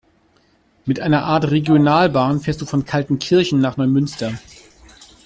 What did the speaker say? Mit einer Art Regionalbahn fährst du von Kaltenkirchen nach Neumünster.